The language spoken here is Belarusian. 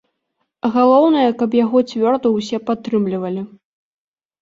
Галоўнае, каб яго цвёрда ўсе падтрымлівалі.